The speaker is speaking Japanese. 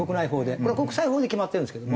これは国際法で決まってるんですけども。